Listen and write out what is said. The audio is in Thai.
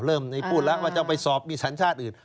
เริ่มในพูดแล้วว่าจะไปสอบมีสัญชาติอื่น